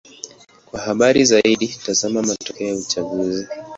Kwa habari zaidi: tazama matokeo ya uchaguzi.